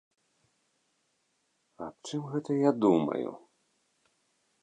Аб чым гэта я думаю?